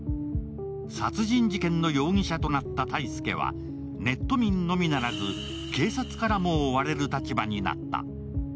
殺人事件の容疑者となった泰介はネット民のみならず警察からも追われる立場になった。